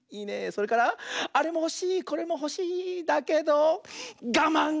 それからあれもほしいこれもほしいだけどがまん！